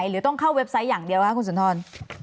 หรือต้องเข้าเว็บไซต์อย่างเดียวคะคุณสุนทร